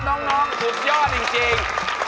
น้องสุดยอดจริง